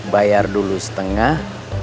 bayar dulu setengah